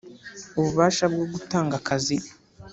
Ububasha bwo gutanga akazi